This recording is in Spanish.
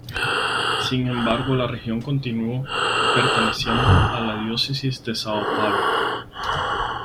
Sin embargo la región continuó perteneciendo a la diócesis de São Paulo.